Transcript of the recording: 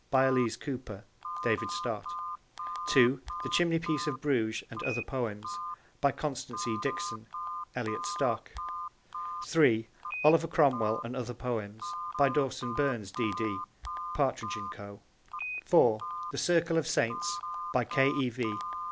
By Elise Cooper. (David Stott.) (2) The Chimneypiece of Bruges and Other Poems. By Constance E. Dixon. (Elliot Stock.) (3) Oliver Cromwell and Other Poems. By Dawson Burns, D.D. (Partridge and Co.) (4) The Circle of Saints. By K. E. V.